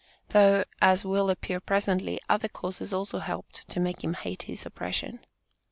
Though, as will appear presently, other causes also helped to make him hate his oppression.